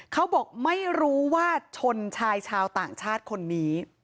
เขาบอกว่าไม่รู้ว่าชนชายชาวต่างชาติคนนี้